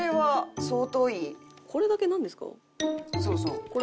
そうそう。